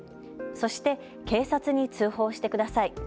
そして警察に通報してください。